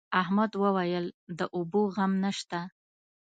احمد وويل: د اوبو غم نشته.